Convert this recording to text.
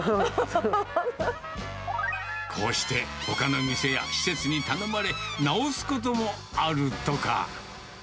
こうして、ほかの店や施設に頼まれ、直すこともあるとか。